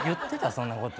そんなこと。